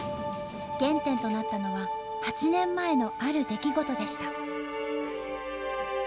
原点となったのは８年前のある出来事でした。